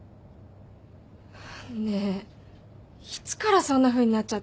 ねえいつからそんなふうになっちゃったの？